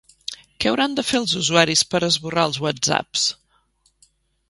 Què hauran de fer els usuaris per esborrar els whatsapps?